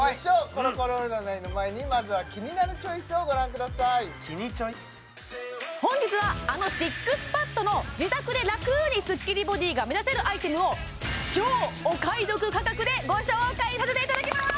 コロコロ占いの前にまずは「キニナルチョイス」をご覧ください「キニチョイ」本日はあのＳＩＸＰＡＤの自宅で楽にスッキリボディが目指せるアイテムを超お買い得価格でご紹介させていただきます！